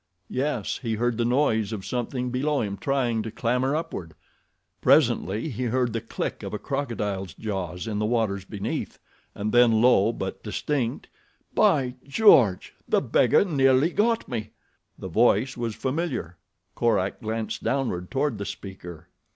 Yes, he heard the noise of something below him trying to clamber upward. Presently he heard the click of a crocodile's jaws in the waters beneath, and then, low but distinct: "By George! The beggar nearly got me." The voice was familiar. Korak glanced downward toward the speaker.